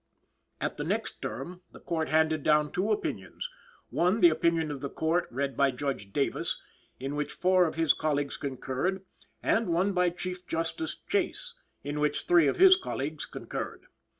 At the next term, the Court handed down two opinions one the opinion of the Court, read by Judge Davis, in which four of his colleagues concurred, and one by Chief Justice Chase, in which three of his colleagues concurred.